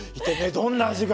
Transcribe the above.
どんな味が。